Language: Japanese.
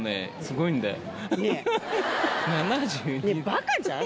バカじゃん！